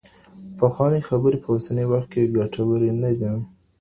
پخوانۍ خبري په اوسني وخت کي ګټوري نه دي.